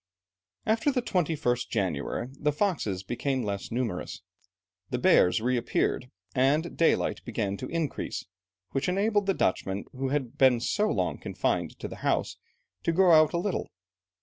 After the 21st January, the foxes became less numerous, the bears reappeared, and daylight began to increase, which enabled the Dutchmen, who had been so long confined to the house, to go out a little.